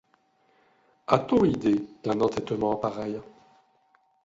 A-t-on idée d'un entêtement pareil ?